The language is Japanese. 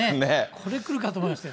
これ来るかと思いましたよ。